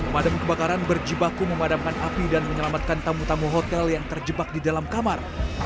pemadam kebakaran berjibaku memadamkan api dan menyelamatkan tamu tamu hotel yang terjebak di dalam kamar